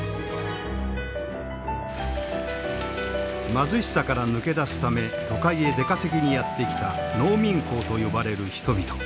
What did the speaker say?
貧しさから抜け出すため都会へ出稼ぎにやって来た農民工と呼ばれる人々。